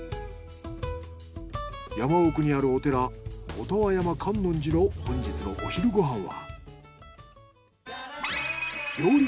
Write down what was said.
山奥にあるお寺音羽山観音寺の本日のお昼ご飯は。